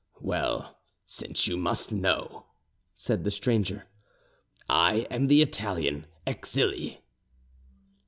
"Well, since you must know," said the stranger, "I am the Italian Exili."